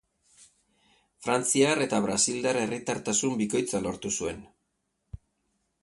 Frantziar eta brasildar herritartasun bikoitza lortu zuen.